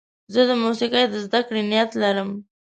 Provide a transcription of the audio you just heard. زه د موسیقۍ د زدهکړې نیت لرم.